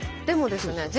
でもですね